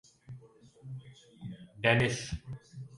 Danish